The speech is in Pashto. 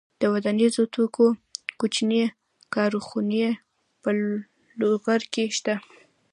د ودانیزو توکو کوچنۍ کارخونې په لوګر کې شته.